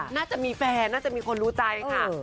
น่าจะมีแฟนน่าจะมีคนรู้ใจค่ะ